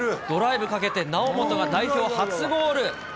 ドライブかけてなおもとが代表初ゴール。